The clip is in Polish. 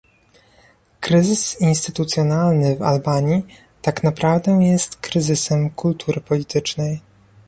Kryzys instytucjonalny w Albanii tak naprawdę jest też kryzysem kultury politycznej